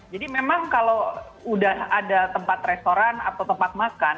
jadi memang kalau udah ada tempat restoran atau tempat makan